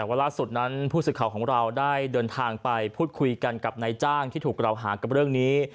ว่าล่าสุดนั้นผู้สื่อข่าวของเราได้เดินทางไปพูดคุยกันกับนายจ้างที่ถูกกล่าวหากับเรื่องนี้